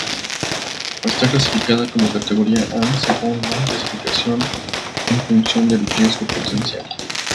Está clasificada como categoría "A", según la clasificación en función del riesgo potencial.